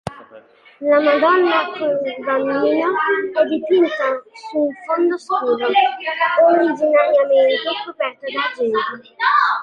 La "Madonna col Bambino" è dipinta su un fondo scuro, originariamente coperto d'argento.